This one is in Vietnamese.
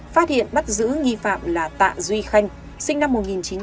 phát hiện bắt giữ nghi phạm là tạ duy khanh sinh năm một nghìn chín trăm tám mươi